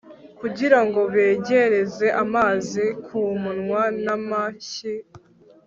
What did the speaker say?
kugira ngo begereze amazi ku munwa n'amashyi